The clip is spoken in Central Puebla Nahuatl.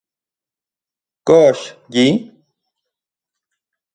¿Kox yi...?